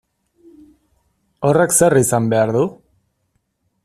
Horrek zer izan behar du?